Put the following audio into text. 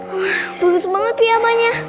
wah bagus banget piyamanya